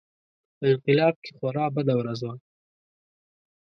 په انقلاب کې خورا بده ورځ وه.